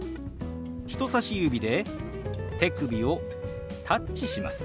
人さし指で手首をタッチします。